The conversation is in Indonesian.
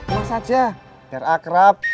mas aja biar akrab